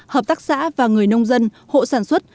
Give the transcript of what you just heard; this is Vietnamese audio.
hợp tác xã và người nông dân hộ sản xuất